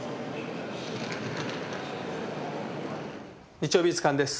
「日曜美術館」です。